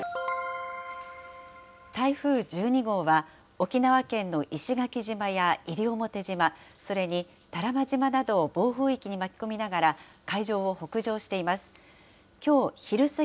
台風１２号は、沖縄県の石垣島や西表島、それに多良間島などを暴風域に巻き込みながら海上を北上しています。